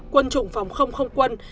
quân chủng phòng không không quân